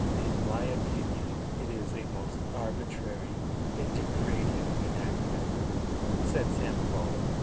"In my opinion it is a most arbitrary and degrading enactment," said Samoval.